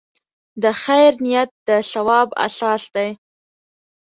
د خیر نیت د ثواب اساس دی.